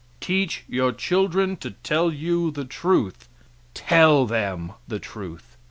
Teach your children to tell you the truth tell them the truth.